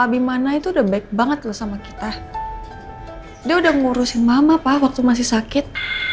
bimana itu udah baik banget loh sama kita dia udah ngurusin mama pak waktu masih sakit